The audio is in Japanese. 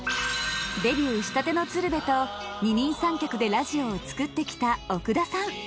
デビューしたての鶴瓶と二人三脚でラジオを作ってきた奥田さん。